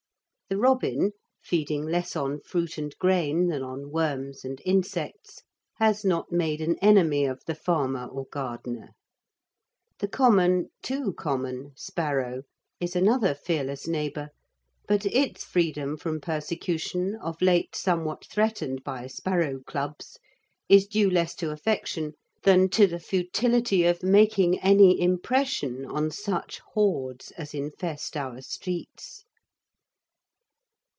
The robin, feeding less on fruit and grain than on worms and insects, has not made an enemy of the farmer or gardener. The common, too common, sparrow, is another fearless neighbour, but its freedom from persecution, of late somewhat threatened by Sparrow Clubs, is due less to affection than to the futility of making any impression on such hordes as infest our streets.